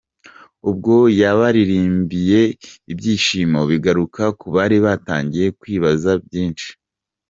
Ubwo yabaririmbiye ibyishimo bigaruka ku bari batangiye kwibaza byinshi.